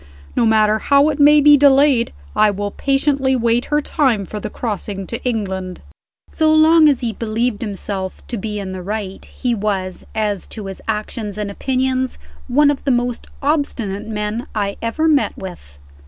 No matter how it may be delayed, I will patiently wait her time for the crossing to England." So long as he believed himself to be in the right, he was, as to his actions and opinions, one of the most obstinate men I ever met with.